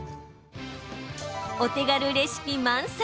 お手軽レシピ満載！